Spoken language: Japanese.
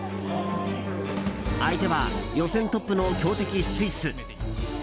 相手は、予選トップの強敵スイス。